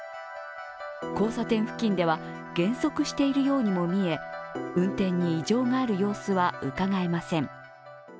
交差点付近では減速しているようにもみえ運転に異常がある様子はうかがえません。